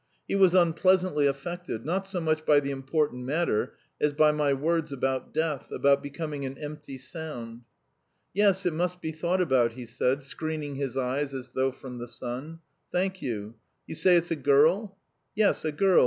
He was unpleasantly affected, not so much by the "important matter" as by my words about death, about becoming an empty sound. "Yes, it must be thought about," he said, screening his eyes as though from the sun. "Thank you. You say it's a girl?" "Yes, a girl.